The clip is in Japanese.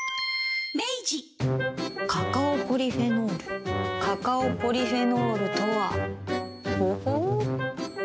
カカオポリフェノールカカオポリフェノールとはほほう。